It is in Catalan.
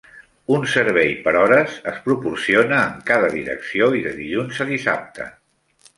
Un servei per hores es proporciona en cada direcció i de dilluns a dissabte.